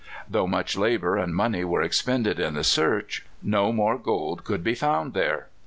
Though much labor and money were expended in the search, no more gold could be found there.